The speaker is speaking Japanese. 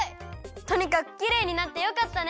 とにかくきれいになってよかったね！